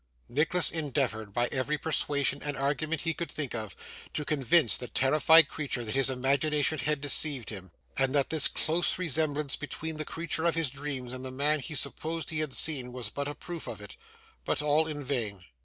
Nicholas endeavoured, by every persuasion and argument he could think of, to convince the terrified creature that his imagination had deceived him, and that this close resemblance between the creation of his dreams and the man he supposed he had seen was but a proof of it; but all in vain.